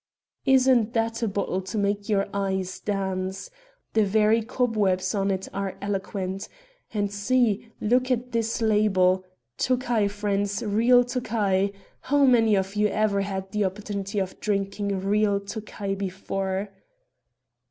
"Isn't that a bottle to make your eyes dance? The very cobwebs on it are eloquent. And see! look at this label. Tokay, friends, real Tokay! How many of you ever had the opportunity of drinking real Tokay before?"